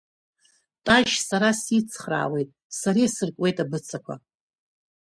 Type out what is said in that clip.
Ташь сара сицхраауеит, сара исыркуеит абыцақәа!